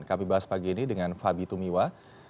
kami bahas pagi ini dengan fabi tumiwa